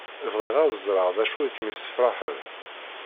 Bɣiɣ ad ẓreɣ d acu i kem-isefraḥen!